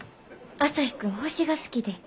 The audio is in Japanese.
朝陽君星が好きで。